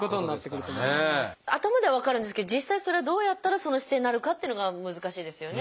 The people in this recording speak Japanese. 頭では分かるんですけど実際それはどうやったらその姿勢になるかっていうのが難しいですよね。